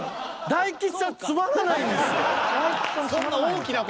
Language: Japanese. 大吉さんつまらないんだ。